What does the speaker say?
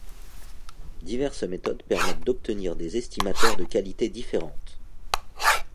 Diverses méthodes permettent d'obtenir des estimateurs de qualités différentes.